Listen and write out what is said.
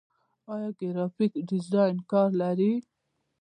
آیا ګرافیک ډیزاینران کار لري؟